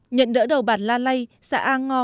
nhận đỡ đầu bản la lai xã an ngo